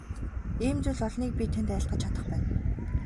Ийм зүйл олныг би танд айлтгаж чадах байна.